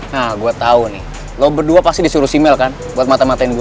nah gue tau nih lo berdua pasti disuruh si mel kan buat matematain gue